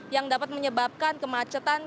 yang dapat menyebabkan kemacetan